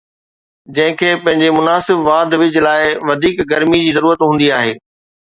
جنهن کي پنهنجي مناسب واڌ ويجهه لاءِ وڌيڪ گرمي جي ضرورت هوندي آهي